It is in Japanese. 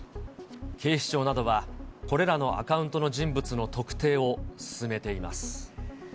警視庁などは、これらのアカウントの人物の特定を進めています。